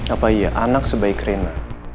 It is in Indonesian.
apa iya anak sebaik rena